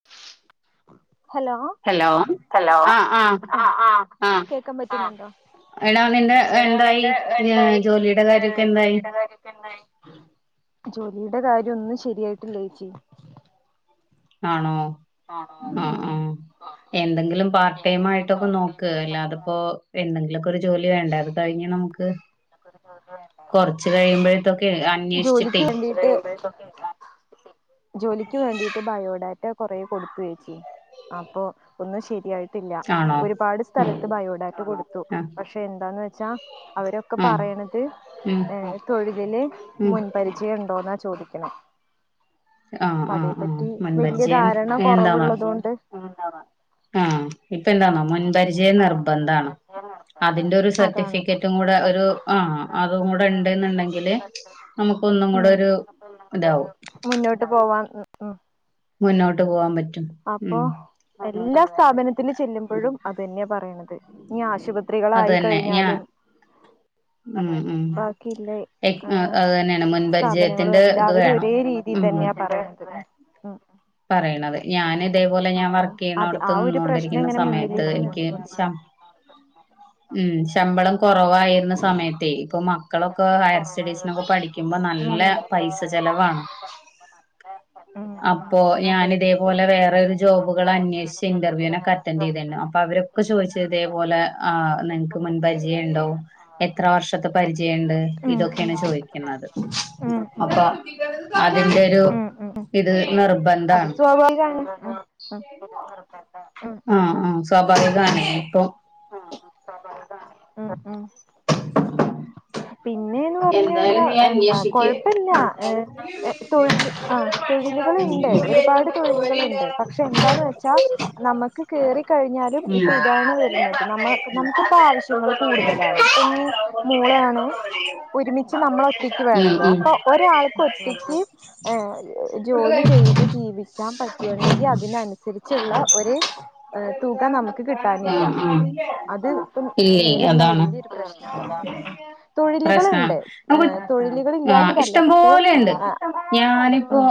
[inaudible] Hello hello ആഹ് ആഹ് ഹ ആഹ് കേക്കാൻ പറ്റുന്നുണ്ടോ എടാ നിന്റെ എടാ എന്തായി നിന്റെ ഏ, എന്തായി ജോലിയുടെ കാര്യൊക്കെ എന്തായി ജോലിയുടെ കാര്യൊക്കെ എന്തായി. ജോലിയുടെ കാര്യം ഒന്നും ശരിയായിട്ടില്ലേച്ചി. ആണോ ആഹ ഉം ആഹ എന്തെങ്കിലും പാർട്ട് ടൈം ആയിട്ടൊക്കെ നോക്ക് അല്ലാത ഇപ്പോ എന്തെങ്കിലുമൊക്കെ ഒരു ജോലി വേണ്ട അതഴഞ്ഞ നമുക്ക് കൊറച്ച കഴിയുമ്പോഴത്തൊക്കെ അന്വേഷിച്ചിട്ടേ അക്കെ ജോലിക്ക് വേണ്ടിട്ട് ബയോഡാറ്റ കൊറെ കൊടുത്തു വേച്ചി അപ്പൊ ഒന്ന് ശരിയായിട്ട് ആണോ ഒരുപാട് ഉം സ്ഥലത്ത് ബയോഡാറ്റ് കൊടുത്തു ആഹ് പക്ഷെ എന്താന്ന് വെച്ചാ അവരെ ഒക്കെ ഉം പറയണത് ഉം ഏ തൊഴിലില് ഉം മുൻപരിചയം ഉണ്ടോന്നാ ചോദിക്കണം. ആഹ് അപ്പ അതേ ആഹ് ആഹ് പറ്റി വല്യ മുൻപരിചയം ധാരണ കുറവുള്ളത കൊണ്ട് ആഹ ഇപ്പൊ എന്താണോ മുൻപരിചയ നിർബന്ധാണ്. അതിന്റെ ഒരു അതാണ് സർട്ടിഫിക്കറ്റും കൂടെ ഒരു ആ അതും കൂടെ ഉണ്ടെന്നുണ്ടെങ്കില് നമുക്ക് ഒന്നും കൂടെ ഉം ഒരു ഇതാവും മുന്നോട്ട് പോവാൻ ഉം മുന്നോട്ട് പോകവാൻ പറ്റും. അപ്പൊ ഉം എല്ലാ സ്ഥാപനത്തി ചെല്ലുമ്പോഴും അതങ്ങനെയാ പറയണത്. ഇഞ് അത് ആശുപത്രികളായി തന്നെ ഞാൻ കഴിഞ്ഞാലും ഉം ഉം ബാക്കിയില്ലേ എ ആഹ് അത് തന്നെയാണ് മുൻപരിചയത്തിന്റെ ഇത് വേണം ഉം ഇതന്നെയാ പറയണത് ഉം പറയണത്. ഞാൻ ഇതേപോലെ ഞാൻ അപ്പൊ അത് ആ വർക്കെയ്യണോട്ത്ത് ഒരു പ്രശ്നം നിന്നോണ്ടിരിക്കുന്ന ഇങ്ങനെ സമയത്ത് മുന്നിലേക്ക് എനിക്ക് നിർത്തിക്കൊണ്ടിരിക്കും ശം ഉം ശമ്പളം കുറവായിരുന്ന സമയത്തെ ഇപ്പൊ മക്കളൊക്കെ ഹയർ സ്റ്റഡീസിനൊക്കെ പഠിക്കു മ്പം നല്ല പൈസ ചെലവാണ്. ഉം അ ഉം പ്പോ അതെ ഞാന് അതെ അതെ ഇതേപോലെ വേറൊരു ജോബുകൾ അന്വേഷിച്ച് ഇന്റർവ്യൂനൊക്ക റ്റൻഡ് ചെയ്തിണ്ട് അപ്പൊ അവരൊക്കെ ചോദിച്ചത് ഇതേപോലെ ആഹ് നിങ്ങക്ക് മുൻപരിചയം ഉണ്ടോ എത്ര വർഷത്തെ പരിചയണ്ട് ഇതൊക്കേണ് ചോയിക്ക്ണത് അങ്ങനെയൊക്കെ അപ്പൊ അതിന്റെ ഒരു ഉം ഉം ഉം ഇത് അത് നിർബന്ധാണ് സ്വാഭാവികാണ് ഉം ഉം ആഹ് ആഹ് ഉം സ്വാഭാവികാണേ ഇപ്പം ആഹ് ആഹ് പിന്നെന്ന് പറഞ്ഞു എന്തായാലും കഴിഞ്ഞാൽ ഞാൻ എന്താ കുഴപ്പല്ല തൊഴില് ആ തൊഴിലുകള് ണ്ട് ഒരുപാട് തൊഴിലുകള്ണ്ട് പക്ഷെ എന്താന്ന് വെച്ചാ നമുക്ക് ക കേറിക്കഴിഞ്ഞാലും ഇപ്പൊ ഇതാണ് വരുന്നത് നമ്മ നമുക്കിപ്പ ആവശ്യങ്ങളും കൂടുതലാണ് ഇപ്പ ഇ മൂളാണ് ഒരുമിച്ച് നമ്മള ഒറ്റക്ക് ഉം ഉം വേണല്ലോ ഉം അപ്പൊ ഉം ഒരാൾക്ക ഒറ്റക്ക് ജോലി ചെയ്ത് ജീവിക്ക കാൻ പറ്റുവാണെങ്കിൽ അതിനനുസരിച്ചുള്ള ഒരു തുക നമുക്ക് കിട്ടാനില്ല ആഹ് ആഹ് അത് ഇപ്പം ഇല്ലേ നേരിടുന്ന അതാണ് വലിയൊരു പ്രശ്ന പ്രശ്നാണ് തൊഴിലുകൾണ്ട് ഏ നമുക്ക് ആഹ് തൊഴിലികില്ലാത്തതല്ല പക്ഷെ ഇഷ്ടംപോലെണ്ട് ഉ ഞാനിപ്പോ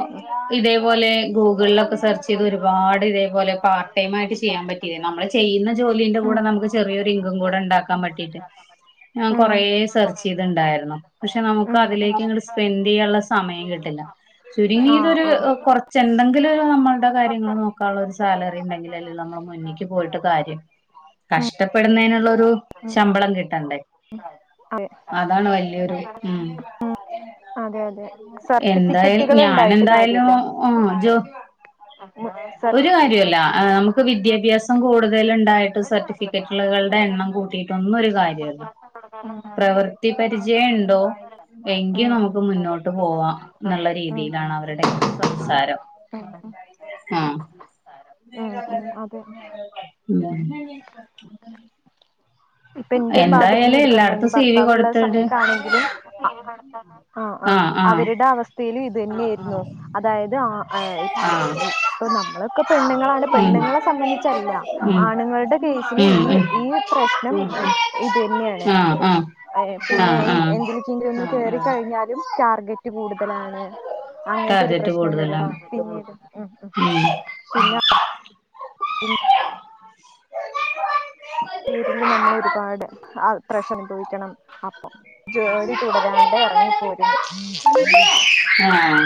അ ഉ ഇതൊരുപാട് ഇതേപോലെ പാർട്ടൈം ആയിട്ട്ചീയാമ്പറ്റിയനമ്മള് ചെയ്യുന്ന ജോലീന്റെ കൂടെ നമുക്ക് ചെറിയൊരു ലിങ്കും കൂടെ ഉണ്ടാക്കാൻ പറ്റീറ്റ് ഞാൻ പറ്റും കൊറെേ സെർച്ച് ചെയ്തിണ്ടായിരുന്നു പക്ഷെ നമുക്ക് അതിലേക്ക് ഇങ്ങട്ട് സ്പെൻഡീയാനുള്ള സമയം കിട്ടില്ല ആഹ് ചുരുങ്ങിയതൊരു ആഹ് കുറച്ച് എന്തെങ്കിലും ഒരു നമ്മൾ കാര്യങ്ങൾ നോക്കാനുള്ള ഒരു സാലറി ഉണ്ടെങ്കിൽ അല്ല നമ്മൾ മുന്ന പോയിട്ട് കാര്യം ഉം കഷ്ടപ്പെടുന്നതിനുള്ളരു ഉം ശമ്പളം കിട്ടണ്ടേ അതെ അതാണ് വല്യൊരു ഉ അതെ അതെ എന്തായാലും സർട്ടിഫിക്കറ്റുകൾ ഞാൻ ഉണ്ടായിട്ട് എന്തായാലും കാര്യല്ല ആ ജോ ഉം ഒരു കാര്യല്ല നമുക്ക് വിദ്യാഭ്യാസം കൂടുതല ഉണ്ടായിട്ട് സർട്ടിഫിക്കറ്റുകളുടെ എണ്ണം കൂട്ടിയിട്ടൊന്നും ഒരു കാര്യല്ല പ്രവർ വതി പരിചയം ഉണ്ടോ എങ്കിൽ ഉം നമുക്ക് മുന്നോട്ട് പോവാം ന്നുള്ള ഉം രീതിയിലാണ് അവരുടെ സംസാരം [unintelligible] ആ ഉം ഉം അതെ ഉഃ ഇപ്പൊ എന്റെ ഭാഗത്തുന്ന് എന്തായാലും എടുക്കണ്ട എല്ലായിടത്തും സി വി ഭർത്താവുള്ള കൊടുത്തിട് സമയത്താണെങ്കിലും ആ ആഹ ആഹ് ആഹ് അവരുടെ അവസ്ഥയിലും ഇത് തന്നെയായിരുന്നു അതായത് ആ അ ആഹ് അപ്പൊ നമ്മളൊക്കെ പെണ്ണുങ്ങളാണ് ഉം പെണ്ണുങ്ങളെ സംബന്ധിച്ചല്ല ഉം ആണുങ്ങളുടെ കേസില് ഉം ഈ ഉം ഈ പ്രശ്ന ഉ ഇത് തന്നെയാണ് ആഹ് ആഹ് അ പിന്നെ ആഹ് എ ആഹ് എൻ തി കേറി കഴിഞ്ഞാലും ടാർഗറ്റ് കൂടുതലാണ് അങ്ങനത്തെ ഒരു ടാർജറ്റ് പ്രശ്നം വരും കൂടുതലാണ് പിന്നീട് ഉം പിന്നെ ഉം പീരില് നമ്മളൊരുപാട് ആ പ്രഷർ അനുഭവിക്കണം അപ്പം ജോലി തുടരാണ്ടേ ഇറങ്ങിപ്പോരും ആഹ്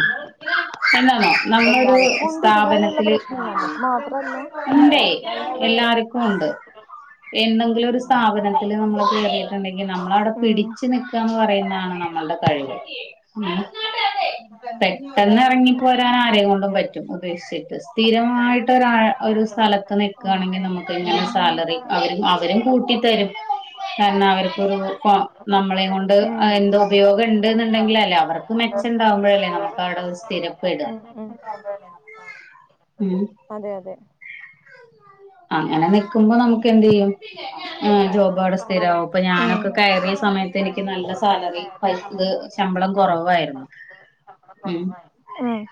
എന്താന്നോ നമ്മളൊരു എല്ലാവർക്കും ഉണ്ട് ഇതുപോലെയുള്ള സ്ഥാപനത്തില് പ്രശ്നം നമുക്ക് മാത്രല്ല ഉണ്ടേ നല്ലൊരു സ്ഥാപനത്തി എന്നെങ്കിലും ഒരു സ്ഥാപനത്തിൽ നമ്മള് കയറിയിട്ടുണ്ടെങ്കിൽ നമ്മളവിടെ ഉം പിടി ച്ച് നിക്കാന്ന് പറയുന്നതാണ് നമ്മളുടെ കഴിവ് പെട്ടെന്ന് ഇറങ്ങിപ്പോരാൻ ആരെയും അതെ കൊണ്ടും അതെ അതെ പറ്റും ഉപേിച്ചിട്ട് സ്ഥിരമായിട്ട് ഒരാ ഒരു സ്ഥലത്ത് ഉം നിൽക്കുകയാണെങ്കിൽ നമുക്ക് ഇങ്ങനെ ഉം സാലറി അവരും അവരും കൂട്ടിത്തരും കാരണം അവർക്കു കോ നമ്മളെ കൊണ്ട് ഉം ഉം എന്തോ ഉം ഉപയോഗം ഉം ഉം ഉണ്ട്ന്നുണ്ടെങ്കിൽ അല്ലേ അവർക്ക് മെച്ചം ഉണ്ടാവുമ്പോഴല്ലേ നമുക്ക് ആട ഒരു സ്ഥിരപ്പട ഉം അതെ അതെ അങ്ങനെ നിക്കുമ്പോ നമുക്ക് എന്തീയ്യും ആ ജോബ് അവിടെ സ്ഥിരവും അപ്പൊ ഞാനൊക്കെ കയറിയ സമയത്ത് എനിക്ക് നല്ല സാലറി ഫയ് ശമ്പളം കുറവായിരുന്നു ഉ ആഹ്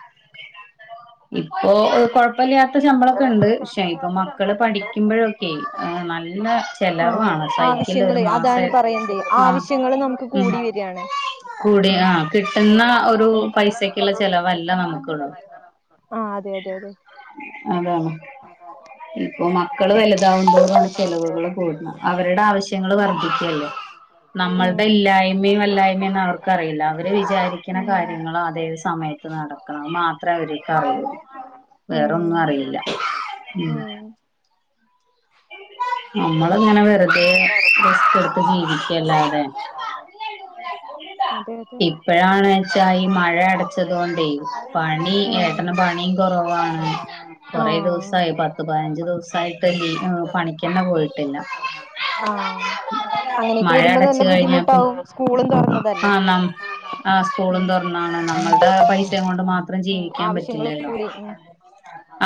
ഇപ്പൊ കൊഴപ്പല്ല ഇ ശമ്പളമൊക്കെ ഉണ്ട് പക്ഷേ ഇപ്പൊ മക്കള് പഠിക്കുമ്പോഴൊക്കെ നല്ല ആഹ് ചെലവാണ് സൈക്കില്ല ഒരു ആവശ്യങ്ങള് അതാണ് മാസം പറയന്തേ ആഹ ആവശ്യങ്ങള് നമുക്ക് ഉ കൂടി വരിയാണ് കൂടി ഉം ആ കിട്ടുന്ന ഒരു പൈസക്കുള്ള ചെലവല്ല നമുക്കുള്ളൂ ആഹ് അതെ അതെ അതെ അതാണ് ഇപ്പൊ മക്കള് വലുതാവും തോറാണ് ചെലവുകള് കൂട്ണ് അവര്ടെ ആവശ്യ ങ്ങള് വർദ്ധിക്കല്ലേ ഉം നമ്മൾടെ ഇല്ലായ്മേം വല്ലായ്മേം ഒന്നും അവർക്കറിയില്ല അവര് വിചാരിക്കണ കാര്യങ്ങള് അതേത് സമയത് ത്ത് നടക്കണം അത് മാത്രേ അവര്ക്ക് അറിയ്ള്ളു വേറൊന്നും അറിയില്ല ഉം നമ്മള് ഇങ്ങനെ വെറുതെ റിസ്ക്കെടുത്ത് ജീവിക്കല്ലാതെ അതെ അതെ ഇ ഇപ്പഴാണ്ച്ചാ ഈ മഴ അടച്ചത് കൊണ്ടേ പണി ഏട്ടന് പണീം കൊറവാണ് കൊറേ ദിവസായി പത്ത് പതിനഞ്ച് ദിവസായിട്ട് ലീ ഏഹ് പണിക്കെന്നെ പോയിട്ടില്ല ആഹ് അങ്ങനെയൊക്കെ മഴ വരുമ്പ അടച്ച് നല്ല കഴിഞ്ഞാപ്പി ബുദ്ധിമുട്ടാവും സ്കൂളും ആ തൊറന്നതല്ലേ നം ആഹ് ആ സ്കൂളും തൊറന്നാണ് നമ്മൾടെ പൈസെ കൊണ്ട് മാത്രം ഉം ജീവിക്കാൻ ആവശ്യങ്ങള് പറ്റില്ലല്ലോ കൂടി ഉം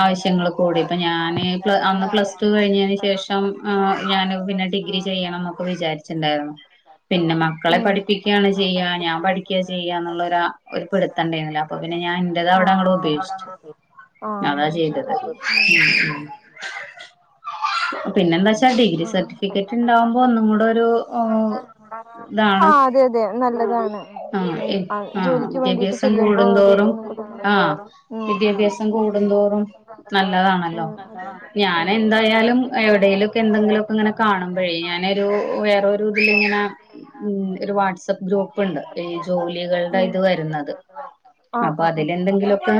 ആവശ്യങ്ങള് കൂടി ഇപ്പൊ ഞാന് പ്ല അന്ന് പ്ലസ് റ്റു കഴിഞ്ഞേന് ശേഷം ആ ഞാന് പിന്നെ ഡിഗ്രി ചെയ്യണം ന്നൊക്ക വിചാരിച്ച്ണ്ടാരുന്നു പിന്നെ മക്കളെ ഉം പഠിപ്പിക്കാണ് ചെയ്യാ ഞാൻ പഠിക്ക ചെയ്യന്ന്ള്ളോരാ ഒരു പിട് ത്തംണ്ടായിര്ന്നില്ല അപ്പ പിന്നെ ഞാൻ ന്റെത് അവ്ടെ അങ്ക്ട് ഉപേക്ഷിച്ചു ആഹ് അതാ ആഹ് ചെയ്തത് ശരി ശരി ഉം ഉം [unintelligible] പിന്നെന്താച്ചാ ഡിഗ്രി പിന്നെന്ന് സർട്ടിഫിക്കറ്റ് വെച്ചാൽ ഇണ്ടാവ്മ്പോ ഒന്നും ഡിഗ്രി കൂടൊരു സർട്ടിഫിക്കറ്റ് ഉം ഇതാണ് ആഹ് അതെ അതെ അത് നല്ലതാണ് ആഹ് ഉം ഏയ് ആഹ് ആ ജോലിക്ക് വേണ്ടിട്ട് വിദ്യാഭ്യാസം ചെല്ലുമ്പോ ഒരു കൂടുന്തോറും ഒന്നും കൂടെ ആഹ് ഉം ഉം വിദ്യാഭ്യാസം കൂടുന്തോറും നല്ലതാണല്ലോ ഉം അതെ അതെ അതെ അതെ ഞാനെന്തായാലും എവിടെലൊക്കെ എന്തെങ്കിലൊക്ക ഇങ്ങനെ കാണുമ്പഴേ ഞാനെരു വേറൊ രുതിലിങ്ങനെ ഉം ഒരു വാട്സ്ആപ്പ് ഗ്രൂപ്പ് ഇണ്ട് ഈ ജോലികള്ടെ ഇത് ഉം വര്ന്നത് ആഹ് അപ്പ ആഹ് ആഹ് അതിലെന്തെങ്കിലൊക്കെ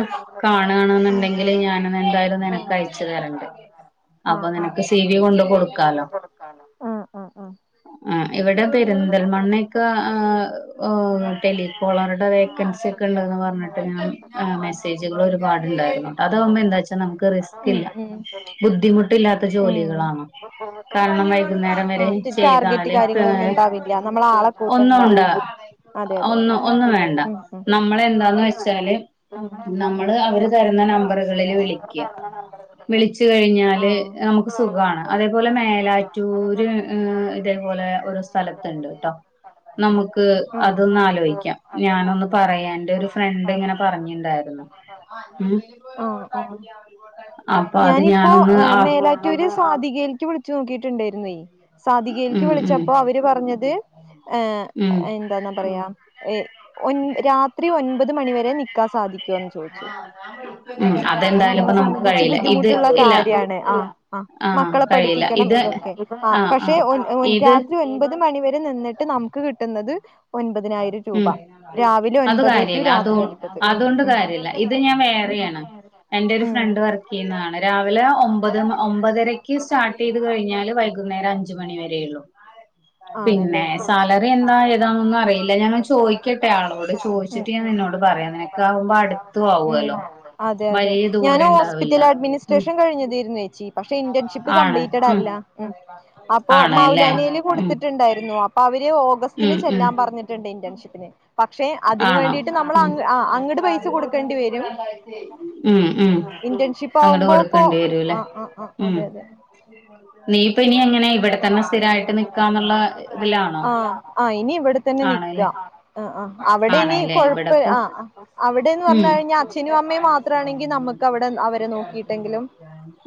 ഉം കാണണ്ന്ന്ണ്ടെങ്കില് ഞാനെന്തായാലും ഉം നിനക്ക് അയച്ച് തരണ്ട് ആഹ് അപ്പ ആഹ് നിനക്ക് സി വി കൊണ്ട് കൊടുക്കാലോ ഉം ഉം ഉം ആ ഇവടെ പെരുന്തൽമണ്ണെക്കെ ആ ഹ് ഓ ടെലികോളറടെ വേക്കൻസി ക്കണ്ടന്ന് പറഞ്ഞിട്ട് ഞാൻ ആ മെസ്സേജുകള് ഒരുപാട്ണ്ടായിരുന്നു അതാവുമ്പോ എന്താച്ചാ നമുക്ക് ഉം റിസ്കില്ല ബുദ്ധിമുട്ടില്ലാത്ത ഉം ഉം ജോലികളാണ് കാരണം വൈകുന്നേരം ആ വരെ ടാർഗറ്റ് ചെയ്താല് കാര്യങ്ങളൊന്നും ഉണ്ടാവില്ല നമ്മളാളെ ഒന്നും കൂട്ടണ്ട ഉണ്ടാ അതെ അതെ അതെ ഒന്നും ഒന്നും വേണ്ട ഉം ഉം നമ്മളെന്താന്ന് ഉം അത് അവര് തര്ന്ന നമ്പറുകളില് വിളിക്യാ വിളിച്ചു ആ കഴിഞ്ഞാല് നമുക്ക് സുഖാണ് അതേപോലെ മേലാറ്റൂര് ഏഹ് ഇതേപോലെ ഒരു സ്ഥലത്ത്ണ്ട് ട്ടോ നമുക്ക് അതൊന്ന് ആലോയിക്കാം ഞാനൊന്ന് പറയാ എന്റെ ഒരു ഫ്രണ്ട് ഇങ്ങനെ പറഞ്ഞിണ്ടായി ഉം ആ ആ അപ്പ അത് ഞാനൊന്ന് ആഹ് റ്റൂര് സാധികേല്ക്ക് വിളിച്ചു നോക്കിട്ടുണ്ടായിരുന്നേ സാധികേല്ക്ക് ഉം ഉം വിളിച്ചപ്പോ അവ് ര് പറഞ്ഞത് ഏ ഉം എന്താന്നാ പറയാ ഏ ഒൻ രാത്രി ഒൻപത് മണിവരെ നിക്കാൻ സാധിക്കും പറ്റു ചോദിച്ചു ഉം നോക്ക് അതൊക്കെ അതെന്തായാലും നമ്മളെ ഇപ്പൊ നമുക്ക് സംബന്ധിച്ച് കഴിയില്ല ബുദ്ധിമുട്ട് ഇത് ഇല്ല കാര്യാണ് ആ ആ ആഹ് മക്കളെ കഴിയില്ല പഠിപ്പിക്കണം ഇത് ഇതൊക്കെ ആ ആഹ് പക്ഷെ ആഹ് ഒൻ ഇത് രാത്രി ഒൻപത് മണിവരെ നിന്നിട്ട് റ്റ് നമ്മ്ക്ക് കിട്ട്ന്നത് ഒൻപതിനായിരം ഉം രൂപ രാവിലെ അത് ഒൻപത് ടു കാര്യല്ല അതോ രാത്രി ഒൻപത് ഉം അതുകൊണ്ട് ഉം കാര്യല്ല ഇത് ഞാൻ ഉം വേറെയാണ് എന്റെ ഒരു ഉം ഫ്രണ്ട് വർക്കീയുന്നതാണ് രാവിലെ ഒമ്പത് മ ഒമ്പതരക്ക് സ്റ്റാർട്ടീത് കഴിഞ്ഞാല് വൈകുന്നേരം അഞ്ച് മണി വരേ ഉള്ളൂ പിന്നെ ആണല്ലേ ആ ശരി സാലറി എന്താ ഏതാന്നൊന്നും അറി ഞാനൊന്ന് ചോയ്ക്കട്ടെ ആളോട് ഉം ചോയ്ച്ചിട്ട് ഞാൻ ഉം ഉം നിന്നോട് പറയാം നിനക്കാവുമ്പ അട് ഉം അതെ അതെ ഞാന് ദൂരം ഉണ്ടാവില്ല ഹോസ്പിറ്റൽ ഉം അഡ്മിനിസ്ട്രേഷൻ കഴിഞ്ഞതേര്ന്നു ഏച്ചി പക്ഷെ ഇന്റേൺഷിപ്പ് കംപ്ലീറ്റട്അല്ല ഉം അപ്പൊ ആണല്ലേ മൗലാനേല് ഉം കൊടുത്തിട്ട്ണ്ടായിരുന്നു അ അവര് ഓഗസ്റ്റില് ഉം ഉം ചെല്ലാ പറഞ്ഞിട്ട്ണ്ട് ഇന്റേൺഷിപ്പിന് പക്ഷെ അതിന് ആണോ വേണ്ടിയിട്ട് ഉം നമ്മൾഅങ്ങ് ആ അങ്ങട് പൈസ കൊടു ണ്ടി വരും ഉം ഉം ഇന്റേൺഷിപ്പ് അങ്ങട് ആവുമ്പോ ഇപ്പൊ കൊടുക്കേണ്ടി ആ ആ ആ അതെ അതെ നീ ഇതിലാണോ ആഹ ആ ഇനി ഇവിടെ തന്നെ നിക്കുക ആണല്ലേ ആ ആ് അവിടെ ഇനി ആണല്ലേ കൊഴപ്പം ഇവിടെപ്പോ ആ അവിടെന്ന് ഉം പറഞ്ഞു കഴിഞ്ഞാൽ അച്ഛനും അമ്മയും മാത്രമാണെങ്കി നമുക്ക് അവിടെ അവരെ നോക്കിയിട്ടെങ്കിലും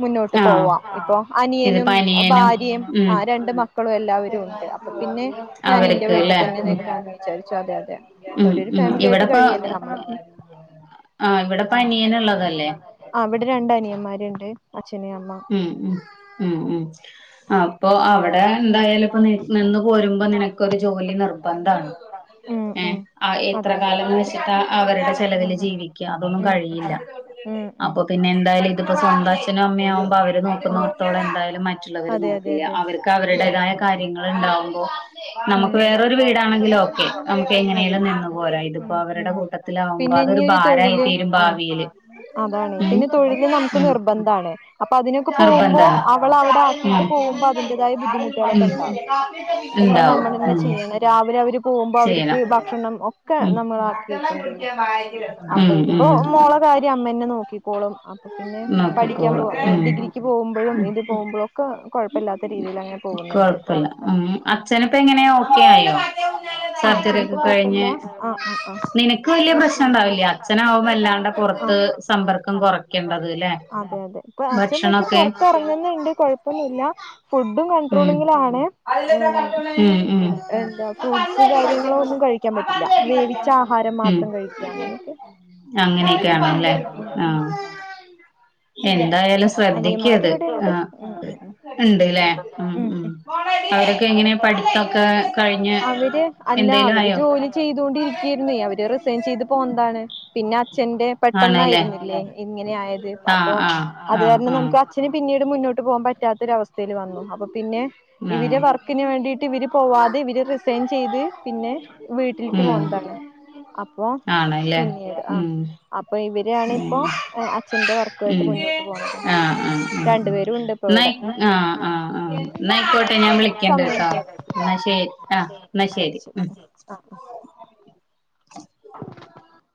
മുന്നോട്ട് ആഹ് പോവാം ഇപ്പൊ അനിയനും ഇതിപ്പോ അനിയനും ഭാര്യയും ഉം ആ രണ്ട് മക്ക മക്കളും എല്ലാവരും ഉണ്ട് അപ്പൊ പിന്നെ ഞാൻ ഇന്റെ അവർക്ക് വീട്ടിൽ ല്ലേ തന്നെ ഉം നിൽക്കാന്ന് വിചാരിച്ചു അതെ അതെ ഉം അവര് ഒരു ഉം ഫാമിലി ആയിട്ട് ഇവിടെപ്പ കഴിയല്ലോ നമ്മള് ആഹ് ഇവിടെപ്പോ അനിയനുള്ളതല്ലേ ആ ഇവിടെ രണ്ട് അനിയന്മാരുണ്ട് അച്ഛനെ അമ്മ ഉം ഉം ഉം ഉം അപ്പൊ അവിടെ എന്തായാലും ഇപ്പോ നീ നിന്ന് പോരുമ്പോ നിനക്കൊരു ജോലി നിർബന്ധാണ് ങു ഉം ഏ ഉം ആ എത്ര അതെ അതെ കാലമെന്ന് വെച്ചിട്ടാ അവരുടെ ചെലവിൽ ഉം ജീവിക്ക അതൊന്നും ഉം കഴിയില്ല ഉം ഉം ഉം അപ്പൊ പിന്നെ ആഹ് എന്തായാലും ഇതിപ്പോ സ്വന്തം അച്ഛനും അമ്മയുയാവുമ്പൊ അവര് നോക്കുന്നോടത്തോളം എന്തായാലും മറ്റുള്ളവര് അതെ അതെ നോക്കില്ല അതെ അവർക്ക് അവരുടേതായ കാര്യങ്ങൾ ആഹ് ഉണ്ടാവുമ്പോ നമുക്ക് ഉം വേറൊരു വീടാണെങ്കിലോ നമുക്ക് അതെ എങ്ങനെലും അതെ നിന്ന് പോരാ ഇതിപ്പോ ഉം അവരുടെ ഉം കൂട്ടത്തിലാവുമ്പോ പിന്നെ ഇനി അതൊരു ഒരു ഭാരായി തൊഴില് തീരും ആഹ് ഭാവിയില് ഉ ഉം താണ് അപ്പൊ അതിനൊക്കെ പോകുമ്പോ നിർബന്ധാണ് അവള് അവടെ ഉം വീട്ടിപോകുമ്പോ അതിന്റതായ ബുദ്ധിമുട്ടുകളൊക്കെ ഉണ്ടാവും ഉം എല്ലാം ഉണ്ടാവും നമ്മൾ തന്നെ ഉം ചെയ്യണ് രാവിലെ അവര് പോകുമ്പോ അവരിക്ക് ചെയ്യണം ഭക്ഷണം ഒക്കെ ഉം നമ്മൾ ആക്കി വെക്കേണ്ടി വരും അപ്പൊ ഉം ഇതിപ്പോ ഉം മോള് കാര്യം അമ്മ തന്നെ നോക്കിക്കോളും അപ്പൊ പിന്നെ പഠിക്കാൻ പോ നോക്കിക്കോളും ഉം ഡിഗ്രിക്ക് പോകുമ്പോഴും ഇത് പോകുമ്പോഴ ക്കൊ കൊഴ ഇപ്പല്ലാത്ത രീതിൽ അങ്ങനെ പോകുന്നുണ്ട് കൊഴപ്പില്ല ഉം അച്ഛനിപ്പ എങ്ങനെയാ ഓക്കെ ആയോ ആഹ് സർജറി ചിനിപ്പൊ ഒക്കെ കൊഴപ്പില്ല കഴിഞ്ഞ് ആ് ഹ് ആഹ് നിനക്ക് വലിയ പ്രശ്നം ഉണ്ടാവില്ല ആഹ് അച്ഛനാവും വല്ലാണ്ട പുറത്ത് സമ്പർക്കം കുറയ്ക്കേണ്ടത് ല്ലേ ആ അതെ അതെ ഇപ്പൊ അച്ഛൻ പക്ഷെ ഭക്ഷണൊക്കെ പൊറത്തിറങ്ങുന്നുണ്ട് കുഴ പ്പൊന്നുല്ല ഫുഡും ഉം കൺട്രോളിങ്ങിലാണ് ഉം ഉം എന്താ ഫ്രൂട്ട്സ് കാര്യങ്ങളോ ഒന്നും കഴിക്ക ക്കാൻ പറ്റില്ല വേവിച്ച ആഹാരം ഉം മാത്രം കഴിക്കാ അങ്ങനെയൊക്കെ അങ്ങനെയൊക്കെയാണല്ലേ ആഹ് എന്തായാലും അനിയന്മാര് ശ്രദ്ധിക്കത് ആ ഇവിടെണ്ട് ഉം ഉം ഉം ഉണ്ട്ല്ലേ ഉം ഉം അവരൊക്കെ എങ്ങനെ പഠിത്തൊക്കെ കഴിഞ്ഞ് എന്തേലും ആയോ ചെയ്തൊണ്ടിരിക്ക്യയിരുന്നേ അവര് റിസൈൻ ചെയ്ത് പോന്നതാണ് പിന്നെ അച്ഛന്റെ ആണല്ലേ പെട്ടെന്നായിരുന്നില്ലേ ഇങ്ങനെ ആയത് അപ്പൊ ആഹ് ആഹ് അത് ആഹ് കാരണം ആഹ് നമുക്ക് പെട്ട അച്ഛന് പിന്നീട് മുന്നോട്ട് പോകാൻ പറ്റാത്തൊരവസ്ഥയിൽ വന്നു അപ്പൊ പിന്നെ ഇവര് ആഹ് വർക്ക്‌ ക്ക്ന് വേണ്ടിട്ട് ഇവര് പോവാതെ ഇവര് റിസൈൻ ചെയ്ത് പിന്നെ വീട്ടിലേക്ക് ഉം പോന്നതാണ് അപ്പോ ആണല്ലേ പിന്നീട് ആ ഉം അപ്പൊ ഇവരാണ് ഇപ്പോ അച്ഛന്റെ വർക്കുവായിട്ട് ഉം മുന്നോട്ട് പോണത് ആഹ് രണ്ടു ആഹ് പേരും ഉണ്ട് ഇപ്പ ഇവിടെ ഉം ആഹ് ആഹ് ആഹ് എന്നായിക്കോട്ടെ ഞാൻ വിളിക്കേണ്ട കേട്ടാ എന്നാ ശരിട്ടാ ആഹ് എന്നാ ശരി ഉം ആഹ് [inaudible]